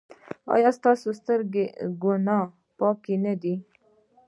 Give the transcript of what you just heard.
ایا ستاسو سترګې له ګناه پاکې نه دي؟